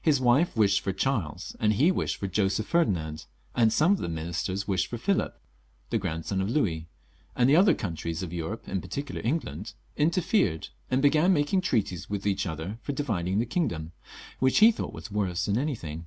His wife wished for Charles, and he wished for Joseph Ferdinand, and some of his ministers wished for Philip, the grandson of Louis ; and the other countries of Europe, in particular England, interfered, and began making treaties with each other for dividing the kingdom, which he thought / 366 LOUIS XIV. [CH. worse than anything.